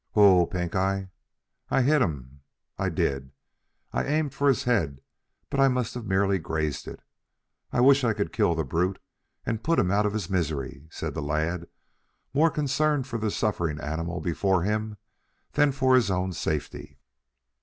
"Whoa, Pink eye! I hit Mm, I did. I aimed for his head, but I must have merely grazed it. I wish I could kill the brute and put him out of his misery," said the lad more concerned for the suffering animal before him than for his own safety.